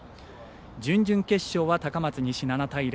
準々決勝は、高松西７対０。